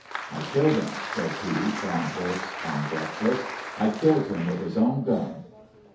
"' I killed him,' says he, gone hoarse an' breath less. ' I killed him with his own gun.'